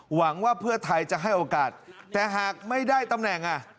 หวังว่าเพื่อไทยจะให้โอกาสแต่หากไม่ได้ตำแหน่งอ่ะ